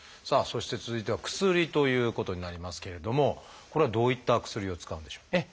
さあそして続いては「薬」ということになりますけれどもこれはどういった薬を使うんでしょう？